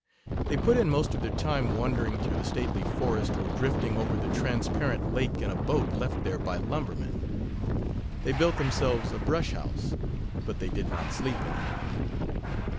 They put in most of their time wandering through the stately forest or drifting over the transparent lake in a boat left there by lumbermen. They built themselves a brush house, but they did not sleep in it.